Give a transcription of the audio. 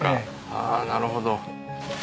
ああなるほど。